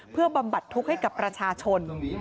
เพื่อบำบัดทุกข์ให้กับประชาชน